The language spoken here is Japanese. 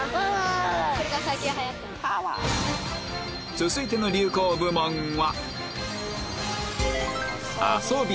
続いての流行部門は？